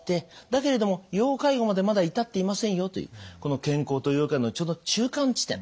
だけれども要介護までまだ至っていませんよというこの健康と要介護のちょうど中間地点。